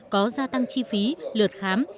có gia tăng chi phí lượt khám